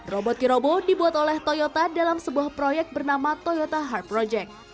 robot q robo dibuat oleh toyota dalam sebuah proyek bernama toyota heart project